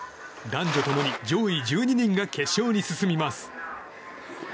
男女共に上位１２人が決勝に進みます。